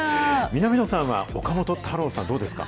南野さんは岡本太郎さん、どうですか？